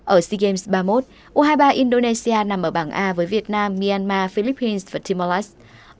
ở sea games ba mươi một u hai mươi ba indonesia nằm ở bảng a với việt nam myanmar philippines và timor leste